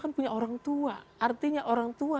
kan punya orang tua artinya orang tua